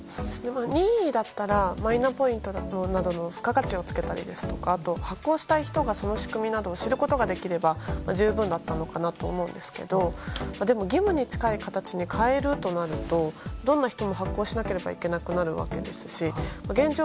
任意だったらマイナポイントなどの付加価値をつけたりですとか発行したい人がその仕組みなどを知ることができれば十分だったのかなと思うんですけどでも、義務に近い形に変えるとなるとどんな人も発行しなければいけなくなるわけですし現状